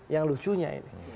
yang lucunya ini